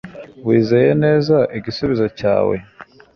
wizeye neza igisubizo cyawe